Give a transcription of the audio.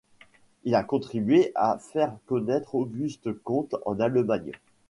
Il a contribué à faire connaître Auguste Comte en Allemagne.